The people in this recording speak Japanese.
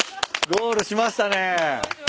ゴールしました。